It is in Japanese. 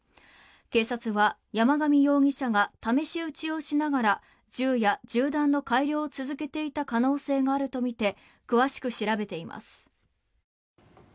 警察は山上容疑者が試し撃ちをしながら銃や銃弾の改良を続けていた可能性があるとみて詳しく調べています。